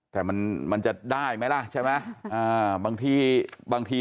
แต่มันจะได้ไหมล่ะใช่ไหม